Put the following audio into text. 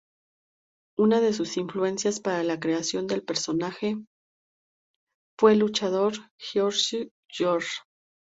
Una de sus influencias para la creación del personaje fue el luchador Gorgeous George.